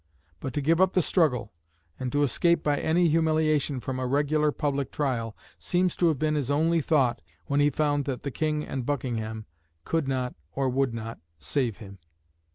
But to give up the struggle, and to escape by any humiliation from a regular public trial, seems to have been his only thought when he found that the King and Buckingham could not or would not save him.